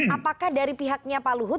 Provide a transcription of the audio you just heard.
apakah dari pihaknya pak luhut